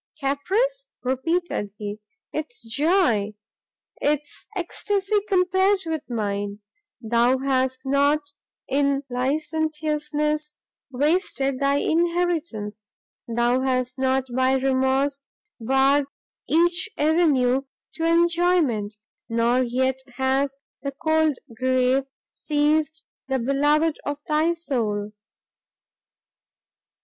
"Caprice!" repeated he, "'tis joy! 'tis extacy compared with mine! Thou hast not in licentiousness wasted thy inheritance! thou hast not by remorse barred each avenue to enjoyment! nor yet has the cold grave seized the beloved of thy soul!"